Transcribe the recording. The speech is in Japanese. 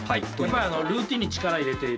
ルーティーンに力を入れている。